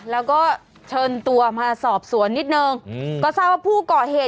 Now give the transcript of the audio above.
แล้วก็เชิญตัวมาสอบสวนนิดนึงอืมก็ทราบว่าผู้ก่อเหตุ